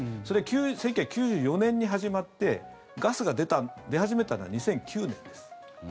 それが１９９４年に始まってガスが出始めたのは２００９年です。